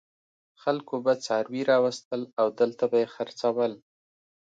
خلکو به څاروي راوستل او دلته به یې خرڅول.